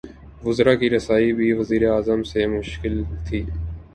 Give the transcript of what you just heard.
وزرا کی رسائی بھی وزیر اعظم سے مشکل تھی۔